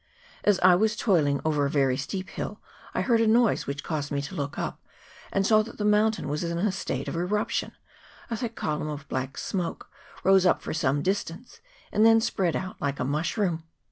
As I was toiling over a very steep hill I heard a noise which caused me to look up, and saw that the mountain was in a state of eruption : a thick column of black smoke rose up for some distance, and then spread out like a mushroom.